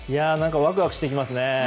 ワクワクしてきますね。